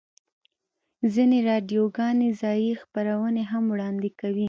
ځینې راډیوګانې ځایی خپرونې هم وړاندې کوي